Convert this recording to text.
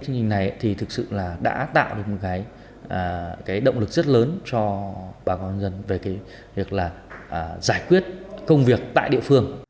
chương trình này thực sự đã tạo được một động lực rất lớn cho bà con dân về việc giải quyết công việc tại địa phương